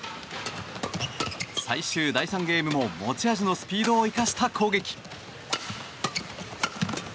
最終第３ゲームも、持ち味のスピードを生かした攻撃。